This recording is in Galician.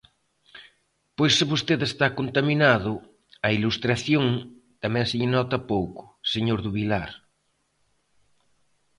Pois se vostede está contaminado, a Ilustración tamén se lle nota pouco, señor do Vilar.